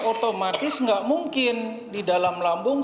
otomatis nggak mungkin di dalam lambung